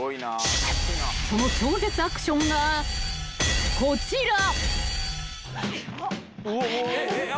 ［その超絶アクションがこちら］